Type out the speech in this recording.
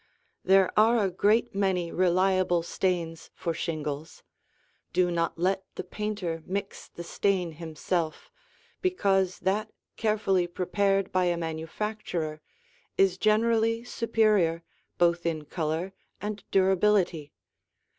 There are a great many reliable stains for shingles; do not let the painter mix the stain himself, because that carefully prepared by a manufacturer is generally superior both in color and durability.